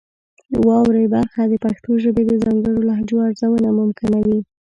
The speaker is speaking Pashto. واورئ برخه د پښتو ژبې د ځانګړو لهجو ارزونه ممکنوي.